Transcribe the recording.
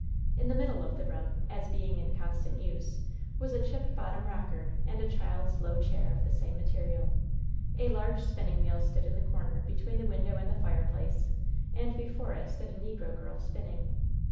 In the middle of the room, as being in constant use, was a chip bottom rocker and a child's low chair of the same material. A large spinning wheel stood in the corner between the window and the fireplace, and before it stood a negro girl, spinning.